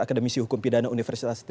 akademisi hukum pidana universitas tris